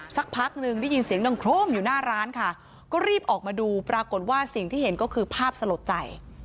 สักพักหนึ่งได้ยินเสียงดังโครมอยู่หน้าร้านค่ะก็รีบออกมาดูปรากฏว่าสิ่งที่เห็นก็คือภาพสลดใจ